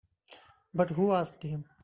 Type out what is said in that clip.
But who asked him?